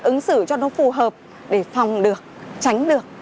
ứng xử cho nó phù hợp để phòng được tránh được